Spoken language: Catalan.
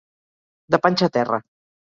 De panxa a terra.